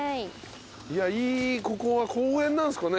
いやいいここは公園なんすかね？